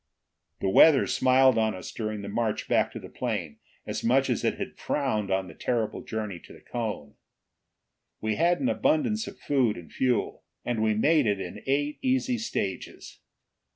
The weather smiled on us during the march back to the plane as much as it had frowned on the terrible journey to the cone. We had an abundance of food and fuel, and we made it in eight easy stages.